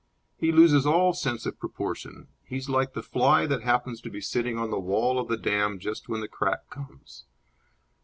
He loses all sense of proportion. He is like the fly that happens to be sitting on the wall of the dam just when the crack comes.